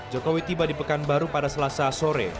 jokowi tiba di pekanbaru pada selasa sore